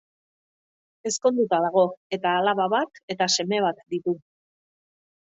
Ezkonduta dago, eta alaba bat eta seme bat ditu.